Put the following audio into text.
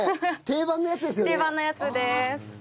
定番のやつです。